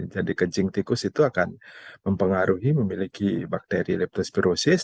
jadi kecing tikus itu akan mempengaruhi memiliki bakteri leptospirosis